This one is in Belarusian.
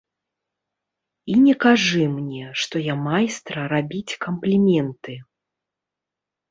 І не кажы мне, што я майстра рабіць кампліменты.